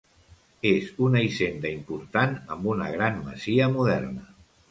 És una hisenda important amb una gran masia moderna.